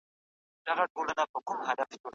هغه په پاڼه باندې سترګې وربرګې کړې.